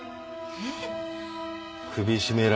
えっ。